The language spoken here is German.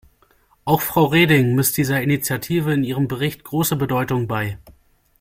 Auch Frau Reding misst dieser Initiative in ihrem Bericht große Bedeutung bei.